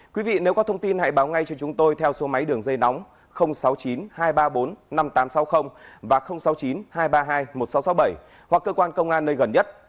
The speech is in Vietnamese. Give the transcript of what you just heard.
quý vị nếu có thông tin hãy báo ngay cho chúng tôi theo số máy đường dây nóng sáu mươi chín hai trăm ba mươi bốn năm nghìn tám trăm sáu mươi và sáu mươi chín hai trăm ba mươi hai một nghìn sáu trăm sáu mươi bảy hoặc cơ quan công an nơi gần nhất